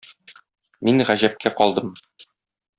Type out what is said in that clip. Мин гаҗәпкә калдым.